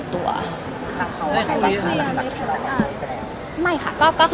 นะคะก็ขอโทษค่ะ